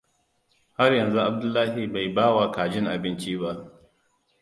Har yanzu Abdullahi bai bawa kajin abinci ba.